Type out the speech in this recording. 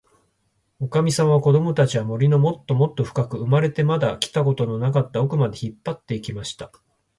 おかみさんは、こどもたちを、森のもっともっとふかく、生まれてまだ来たことのなかったおくまで、引っぱって行きました。